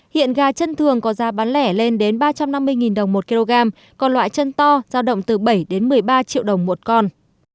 hiện gà chân thường có giá bán lẻ lên đến ba trăm năm mươi đồng một kg còn loại chân to giao động từ bảy đến một mươi ba triệu đồng một con